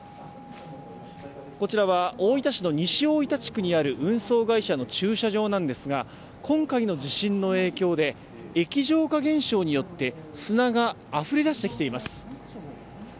こちらは大分市の西大分地区にある運送会社の駐車場なんですが今回の地震の影響で液状化現象によって砂があふれ出してきています。